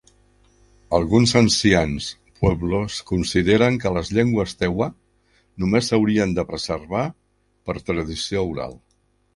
Alguns ancians pueblos consideren que les llengües tewa només s'haurien de preservar per tradició oral.